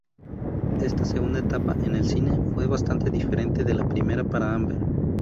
Esta segunda etapa en el cine fue bastante diferente de la primera para Amber.